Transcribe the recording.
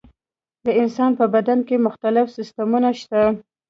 د انسان په بدن کې مختلف سیستمونه شته.